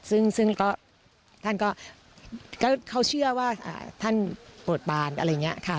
ซึ่งท่านก็เขาเชื่อว่าท่านโปรดบานอะไรอย่างนี้ค่ะ